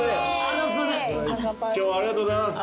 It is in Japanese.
今日はありがとうございます。